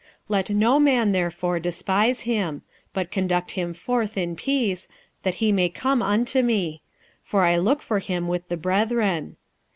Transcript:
46:016:011 Let no man therefore despise him: but conduct him forth in peace, that he may come unto me: for I look for him with the brethren.